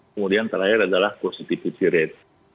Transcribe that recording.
kemudian terakhir adalah positivity rate